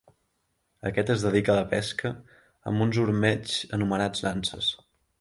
Aquest es dedica a la pesca amb uns ormeigs anomenats nanses.